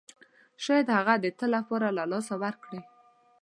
شاید هغه د تل لپاره له لاسه ورکړئ.